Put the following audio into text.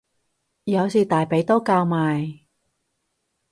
有時大髀都交埋